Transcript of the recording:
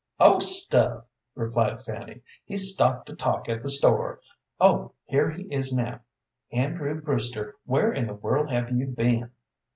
"Oh, stuff!" replied Fanny. "He's stopped to talk at the store. Oh, here he is now. Andrew Brewster, where in the world have you been?"